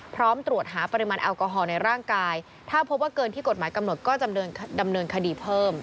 พร้อมตรวจหาปริมาณแอลกอฮอลในร่างกายถ้าพบว่าเกินที่กฎหมายกำหนดก็จะดำเนินคดีเพิ่ม